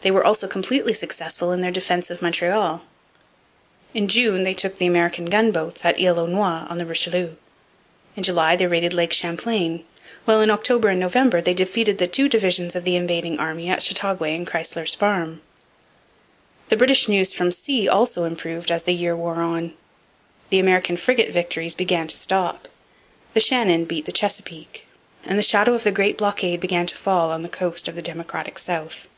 They were also completely successful in their defence of Montreal. In June they took the American gunboats at Isle aux Noix on the Richelieu; in July they raided Lake Champlain; while in October and November they defeated the two divisions of the invading army at Chateauguay and Chrystler's Farm. The British news from sea also improved as the year wore on. The American frigate victories began to stop. The Shannon beat the Chesapeake. And the shadow of the Great Blockade began to fall on the coast of the Democratic South.